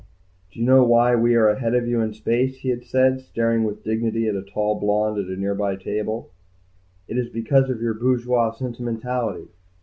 "Do you know why we are ahead of you in space?" he had said, staring with dignity at the tall blonde at a nearby table. "It is because of your bourgeois sentimentality.